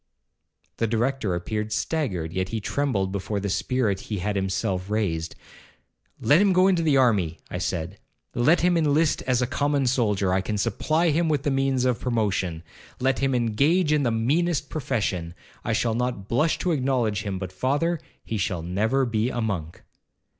The Director appeared staggered, yet he trembled before the spirit he had himself raised. 'Let him go into the army,' I said; 'let him inlist as a common soldier, I can supply him with the means of promotion;—let him engage in the meanest profession, I shall not blush to acknowledge him, but, father, he shall never be a monk.'